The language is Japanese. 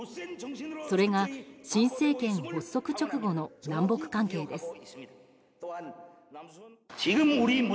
それが新政権発足直後の南北関係です。